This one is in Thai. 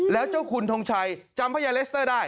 แล้วเจ้าคุณทงชัยจำพญาเลสเตอร์ได้